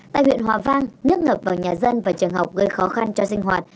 tại huyện hòa vang nước ngập vào nhà dân và trường học gây khó khăn cho sinh hoạt